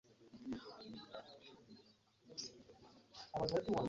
Omwana wo kati ali mukibiina kyakumeka?